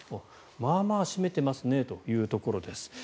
まあまあ占めてますねというところです。